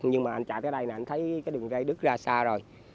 nhưng mà anh chạy tới đây anh thấy đường dây đứt ra xa rồi